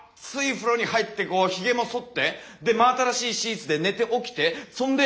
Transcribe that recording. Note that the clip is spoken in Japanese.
風呂に入ってこうヒゲも剃ってで真新しいシーツで寝て起きてそんで。